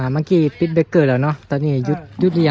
อ๋อมากี้ปิสเบลหรอเนาะตอนนี้ยุดยุดยาว